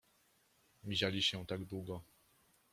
” Miziali się tak długo.